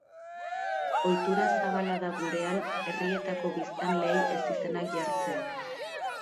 Ohitura zabala da gurean herrietako biztanleei ezizenak jartzea.